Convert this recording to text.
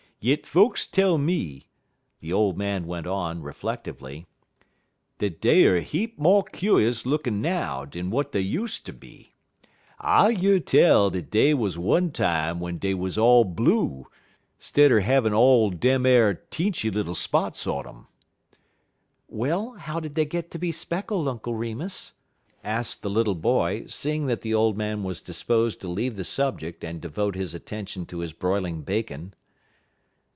Yit folks tell me," the old man went on, reflectively, "dat dey er heap mo' kuse lookin' now dan w'at dey use' ter be. I year tell dat dey wuz one time w'en dey wuz all blue, 'stid er havin' all dem ar teenchy little spots on um." "Well, how did they get to be speckled, Uncle Remus?" asked the little boy, seeing that the old man was disposed to leave the subject and devote his attention to his broiling bacon.